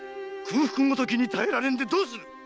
空腹ごときに耐えられんでどうする！